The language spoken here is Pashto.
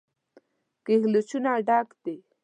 کږلېچونو ډک دی.